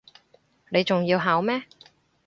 你仲要考咩